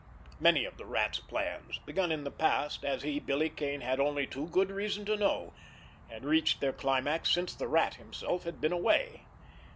Many of the Rat's plans, begun in the past, as he, Billy Kane, had only too good reason to know, had reached their climax since the Rat himself had been away.